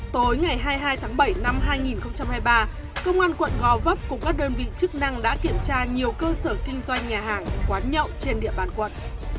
tối ngày hai mươi hai tháng bảy năm hai nghìn hai mươi ba công an quận gò vấp cùng các đơn vị chức năng đã kiểm tra nhiều cơ sở kinh doanh nhà hàng quán nhậu trên địa bàn quận